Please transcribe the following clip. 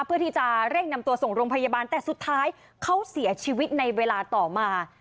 เพื่อที่จะเร่งนำตัวส่งโรงพยาบาลแต่สุดท้ายเขาเสียชีวิตในเวลาต่อมา